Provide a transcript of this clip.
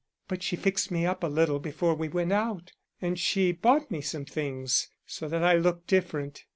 But she fixed me up a little before we went out, and she bought me some things, so that I looked different.